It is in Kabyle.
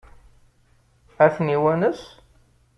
Ad ten-iwanes?